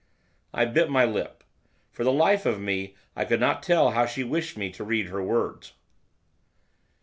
I bit my lip, for the life of me I could not tell how she wished me to read her words.